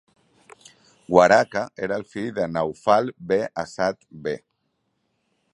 Waraka era el fill de Nawfal b. Asad b.